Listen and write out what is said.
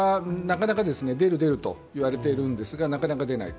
出る、出ると言われているんですけど、なかなか出ない。